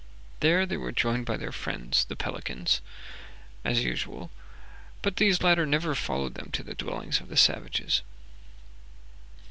There they were joined by their friends the pelicans as usual, but these latter never followed them to the dwellings of the savages.